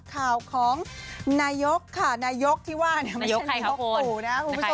ข่าวของนายกค่ะนายกที่ว่านายกใครค่ะคุณ